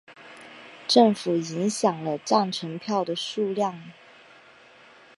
政府影响了赞成票的数量。